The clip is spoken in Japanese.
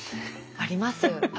あります。